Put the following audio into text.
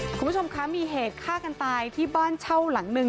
คุณผู้ชมคะมีเหตุฆ่ากันตายที่บ้านเช่าหลังหนึ่ง